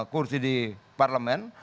kursi di parlemen